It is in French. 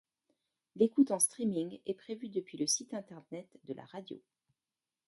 L'écoute en streaming est prévue depuis le site Internet de la radio.